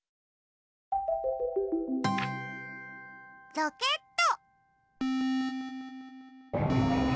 ロケット。